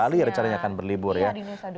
paling rancangnya akan berlibur ya